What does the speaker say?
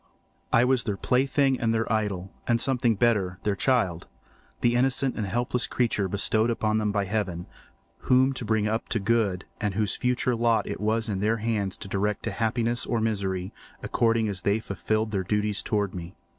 I was their plaything and their idol, and something better—their child, the innocent and helpless creature bestowed on them by Heaven, whom to bring up to good, and whose future lot it was in their hands to direct to happiness or misery, according as they fulfilled their duties towards me.